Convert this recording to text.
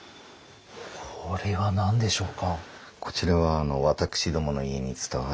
これは何でしょうか？